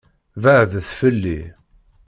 Beɛɛdet fell-i!